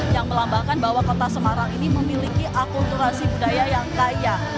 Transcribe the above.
yang melambangkan bahwa kota semarang ini memiliki akulturasi budaya yang kaya